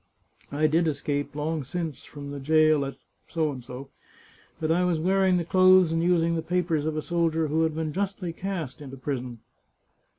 I did escape, long since, from the jail at B , but I was wearing the clothes and using the papers of a soldier who had been justly cast into prison."